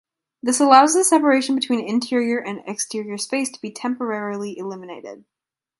This allows the separation between interior and exterior space to be temporarily eliminated.